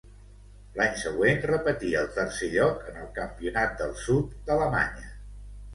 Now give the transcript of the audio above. L'any següent repetí el tercer lloc en el campionat del sud d'Alemanya.